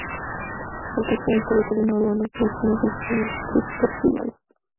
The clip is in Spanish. El resto del territorio no urbano se destina principalmente al sector primario.